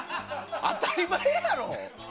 当たり前やろ。